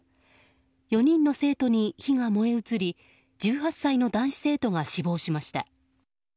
４人の生徒に火が燃え移り１８歳の男子生徒が死亡しました。